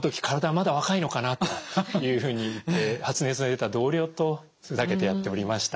まだ若いのかなというふうに言って発熱が出た同僚とふざけてやっておりました。